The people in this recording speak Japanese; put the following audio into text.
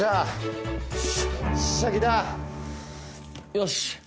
よし！